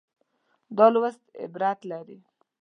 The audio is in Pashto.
دا لوست عبرت لري.